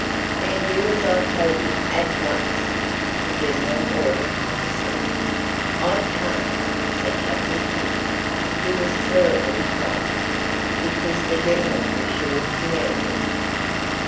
"Then do as I tell you, at once!" the General ordered pompously. "I can't!" said Captain Kidd, who was terribly frightened, because the General was sure to be angry.